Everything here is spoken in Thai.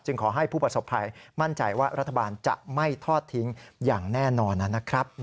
ขอให้ผู้ประสบภัยมั่นใจว่ารัฐบาลจะไม่ทอดทิ้งอย่างแน่นอนนะครับ